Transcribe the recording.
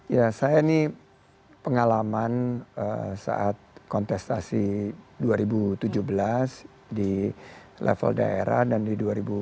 ya saya ini pengalaman saat kontestasi dua ribu tujuh belas di level daerah dan di dua ribu sembilan belas